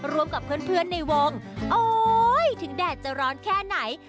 ร่วมกับเพื่อนในวงโอ๊ยถึงแดดจะร้อนแค่ไหน